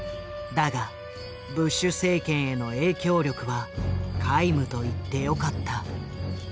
だがブッシュ政権への影響力は皆無といってよかった。